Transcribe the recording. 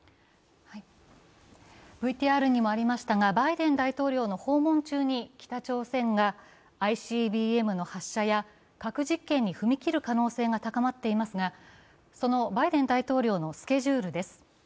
バイデン大統領の訪問中に北朝鮮がＩＣＢＭの発射や核実験に踏み切る可能性が高まっていますがそのバイデン大統領のスケジュールです。